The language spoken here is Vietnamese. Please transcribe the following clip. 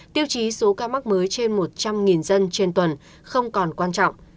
tiêu chí số ca mắc mới trên một trăm linh dân trên tuần không còn quan trọng